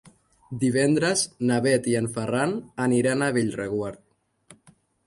Divendres na Bet i en Ferran aniran a Bellreguard.